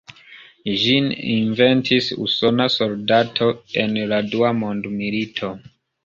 Ĝin inventis usona soldato en la Dua mondmilito.